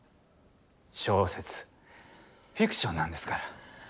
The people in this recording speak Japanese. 小説フィクションなんですから。